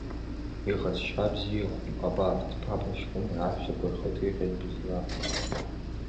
Иҟазшьа бзиахәуп, абар, дԥаԥашькын, аҳәсақәа рхы ҭиҟьеит бызла.